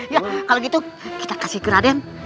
ya kalau gitu kita kasih ke raden